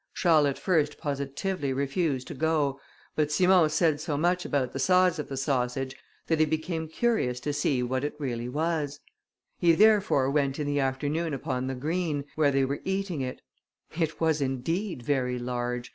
Charles at first positively refused to go, but Simon said so much about the size of the sausage, that he became curious to see what it really was. He therefore went in the afternoon upon the green, where they were eating it. It was indeed very large.